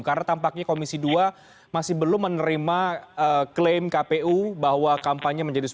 karena tampaknya komisi dua masih belum menerima klaim kpu bahwa kampanye menjadi sembilan puluh hari